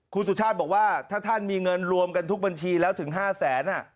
คุณสุชาติบอกว่าถ้าท่านมีเงินรวมกันทุกบัญชีแล้วถึง๕แสน